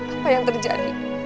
apa yang terjadi